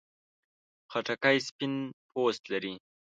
خټکی سپین پوست لري.